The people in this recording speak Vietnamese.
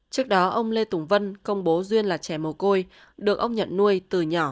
trước đó ông lê tùng vân công bố duyên là trẻ mồ côi được ông nhận nuôi từ nhỏ